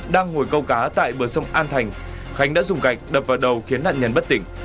đang ngồi câu cá tại bờ sông an thành khánh đã dùng gạch đập vào đầu khiến nạn nhân bất tỉnh